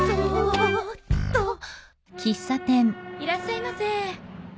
いらっしゃいませ。